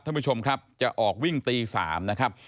ท่านผู้ชมครับจะออกวิ่งตี๓นะครับ